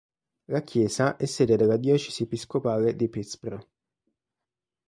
La chiesa è sede della diocesi episcopale di Pittsburgh.